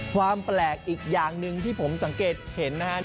ความแปลกอีกอย่างหนึ่งที่ผมสังเกตเห็นนะครับ